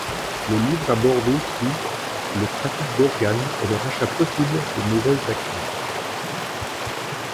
Le livre aborde aussi le trafic d’organe et le rachat possible des mauvaises actions.